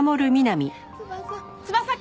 翼。